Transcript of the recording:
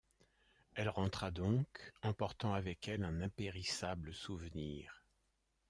Elle rentra donc, emportant avec elle un impérissable souvenir.